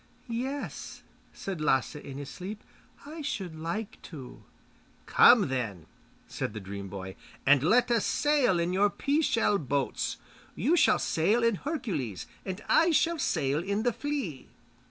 'Yes,' said Lasse in his sleep, 'I should like to.' 'Come, then,' said the dream boy, 'and let us sail in your pea shell boats. You shall sail in Hercules and I shall sail in The Flea.